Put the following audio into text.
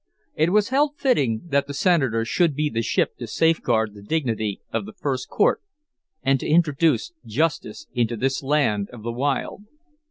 It was held fitting that the Senator should be the ship to safeguard the dignity of the first court and to introduce Justice into this land of the wild.